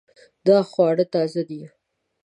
دا خواړه تازه دي